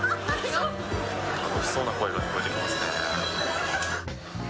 楽しそうな声が聞こえてきますね。